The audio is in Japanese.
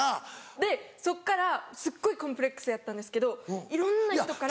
でそっからすっごいコンプレックスやったんですけどいろんな人から。